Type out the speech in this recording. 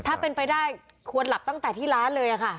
ถ้าเป็นไปได้ควรหลับตั้งแต่ที่ร้านเลยค่ะ